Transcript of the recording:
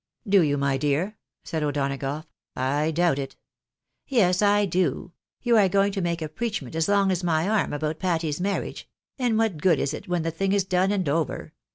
" Do you, my dear? " said O'Donagough. "I doubt it!" " Yes, I do. You are going to make a preachment as long as my arm about Patty's marriage ; and what good is it when the thing is done and over